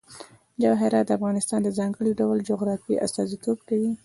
جواهرات د افغانستان د ځانګړي ډول جغرافیه استازیتوب کوي.